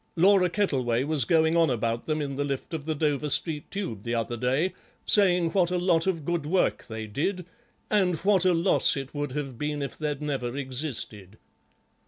Laura Kettleway was going on about them in the lift of the Dover Street Tube the other day, saying what a lot of good work they did, and what a loss it would have been if they'd never existed.